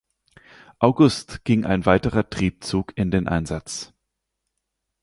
August ging ein weiterer Triebzug in den Einsatz.